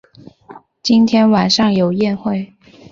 今天晚上有宴会